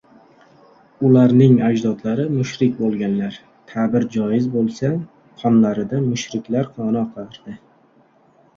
Ularning ajdodlari mushrik bo‘lganlar, ta’bir joiz bo‘lsa qonlarida mushriklar qoni oqardi.